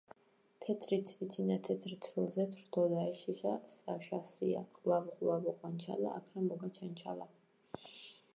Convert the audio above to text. თეთრი თრითინა თეთრ თრველზე თროდა. ეს შეშა საშასია. ყვავო, ყვავო, ყვანჩალა, აქ რამ მოგაჩანჩალა?